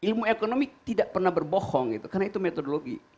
ilmu ekonomi tidak pernah berbohong karena itu metodologi